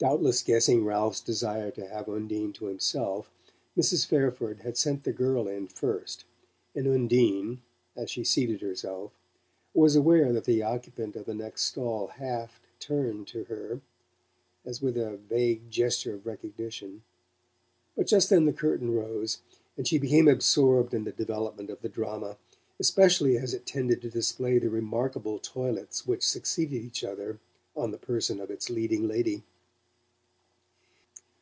Doubtless guessing Ralph's desire to have Undine to himself, Mrs. Fairford had sent the girl in first; and Undine, as she seated herself, was aware that the occupant of the next stall half turned to her, as with a vague gesture of recognition. But just then the curtain rose, and she became absorbed in the development of the drama, especially as it tended to display the remarkable toilets which succeeded each other on the person of its leading lady.